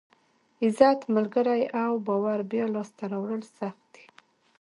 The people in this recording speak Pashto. عزت، ملګري او باور بیا لاسته راوړل سخت دي.